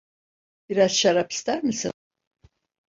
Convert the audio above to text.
Biraz şarap ister misin?